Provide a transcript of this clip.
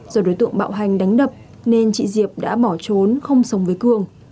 do đối tượng bạo hành đánh đập nên chị diệp đã bỏ trốn không sống với cương